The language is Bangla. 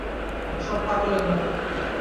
সব পাগলের মেলা।